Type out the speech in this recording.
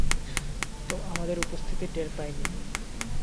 আমাদের উপস্থিতি টের পায়নি।